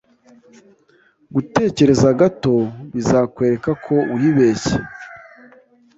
Gutekereza gato bizakwereka ko wibeshye